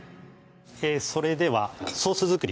それではソース作り